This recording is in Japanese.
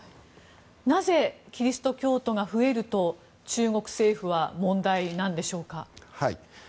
なぜキリスト教徒が増えると中国政府は問題なんでしょうか。